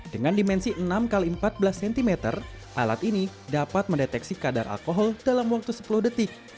dengan dimensi enam x empat belas cm alat ini dapat mendeteksi kadar alkohol dalam waktu sepuluh detik